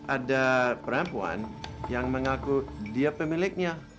ada perempuan yang mengaku dia pemiliknya